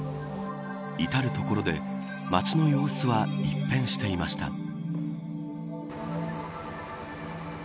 至る所で街の様子は一変していました。